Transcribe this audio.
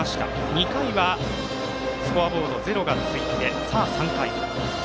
２回はスコアボードゼロが続いて３回。